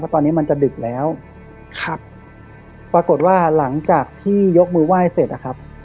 ตอนนี้มันจะดึกแล้วครับปรากฏว่าหลังจากที่ยกมือไหว้เสร็จนะครับ